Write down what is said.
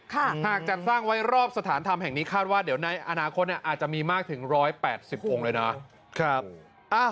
หากจัดสร้างไว้รอบสถานธรรมแห่งนี้คาดว่าเดี๋ยวในอนาคตอาจจะมีมากถึง๑๘๐องค์เลยนะ